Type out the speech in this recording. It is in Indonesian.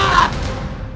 sepertinya ini darah